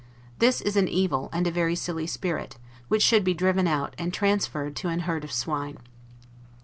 This is an evil, and a very silly spirit, which should be driven out, and transferred to an herd of swine.